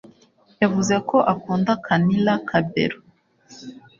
yavuze ko akunda canilla cabello